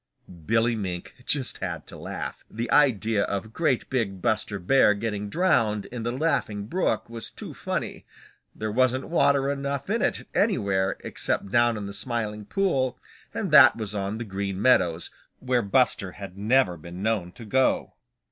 Billy Mink just had to laugh. The idea of great big Buster Bear getting drowned in the Laughing Brook was too funny. There wasn't water enough in it anywhere except down in the Smiling Pool, and that was on the Green Meadows, where Buster had never been known to go.